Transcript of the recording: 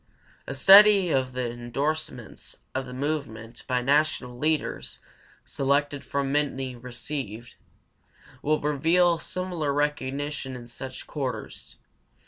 A study of the indorsements of the movement by national leaders (selected from the many received) will reveal similar recognition in such quarters.